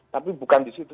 tapi bukan disitu